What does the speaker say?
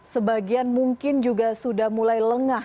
sebagian mungkin juga sudah mulai lengah